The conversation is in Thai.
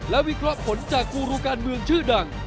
และวิเคราะห์ผลจากกูรูการเมืองชื่อดัง